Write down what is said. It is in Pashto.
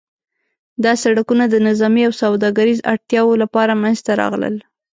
دا سړکونه د نظامي او سوداګریز اړتیاوو لپاره منځته راغلل.